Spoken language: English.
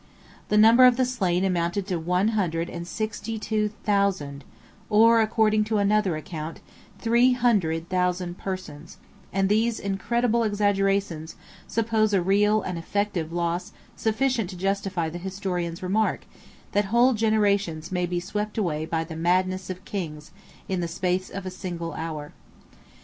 The number of the slain amounted to one hundred and sixty two thousand, or, according to another account, three hundred thousand persons; 44 and these incredible exaggerations suppose a real and effective loss sufficient to justify the historian's remark, that whole generations may be swept away by the madness of kings, in the space of a single hour.